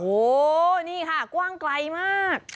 โอ้โหนี่ค่ะกว้างไกลมาก